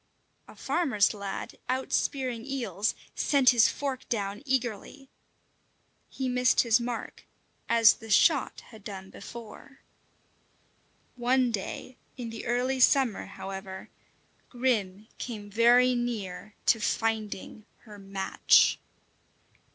A farmer's lad, out spearing eels, sent his fork down eagerly. He missed his mark as the shot had done before. One day, in the early summer, however, Grim came very near to finding her match.